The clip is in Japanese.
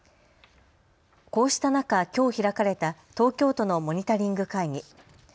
こうした中、きょう開かれた東京都のモニタリング会議。